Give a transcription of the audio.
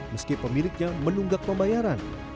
meski pemiliknya menunggak pembayaran